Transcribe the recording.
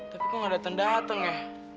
tapi kok gak dateng dateng ya